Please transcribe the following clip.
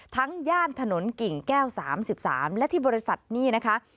ย่านถนนกิ่งแก้ว๓๓และที่บริษัทนี่นะคะ